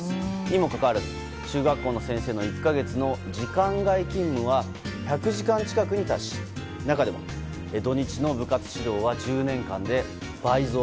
にもかかわらず中学校の先生の１か月の時間外勤務は１００時間近くに達し中でも、土日の部活指導は１０年間で倍増。